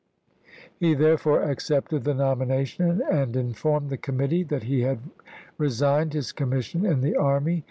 He therefore accepted the nomination, and in formed the committee that he had resigned his commission in the army.